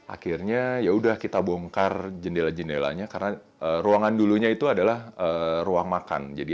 akhirnya yaudah kita bongkar jendela jendelanya karena ruangan dulunya itu adalah ruang makan